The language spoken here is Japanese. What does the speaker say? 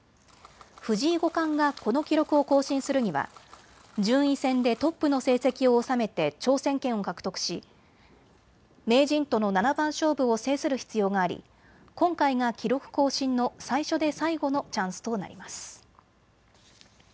藤井五冠がこの記録を更新するには順位戦でトップの成績を収めて挑戦権を獲得し名人との七番勝負を制する必要があり、今回が記録更新の最初で最後のチャンスとなります。